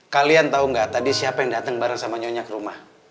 kata kata yang indah